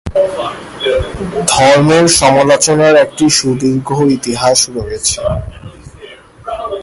ধর্মের সমালোচনার একটি সুদীর্ঘ ইতিহাস রয়েছে।